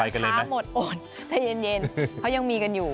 น้ำหมดอดใจเย็นเขายังมีกันอยู่